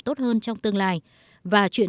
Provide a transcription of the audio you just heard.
tốt hơn trong tương lai và chuyện